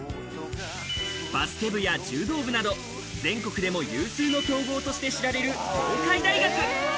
バスケ部や柔道部など、全国でも有数の強豪として知られる東海大学。